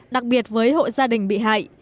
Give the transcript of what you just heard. đặc biệt với hộ gia đình bị hại